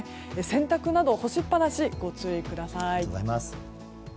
洗濯など干しっぱなしにご注意ください。